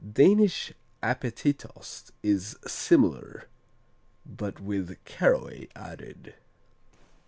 Danish Appetitost is similar, but with caraway added.